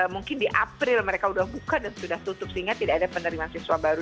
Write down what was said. mungkin di april mereka sudah buka dan sudah tutup sehingga tidak ada penerimaan siswa baru